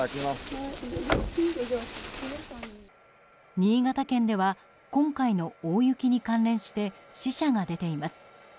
新潟県では今回の大雪に関連して死者が出ています。